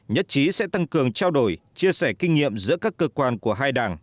nhất trí sẽ tăng cường trao đổi chia sẻ kinh nghiệm giữa các cơ quan của hai đảng